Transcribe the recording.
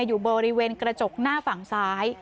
อยู่บริเวณกระจกหน้าฝั่งซ้าย